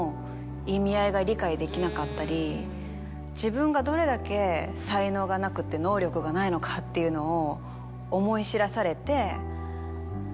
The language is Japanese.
自分がどれだけ才能がなくて能力がないのかっていうのを。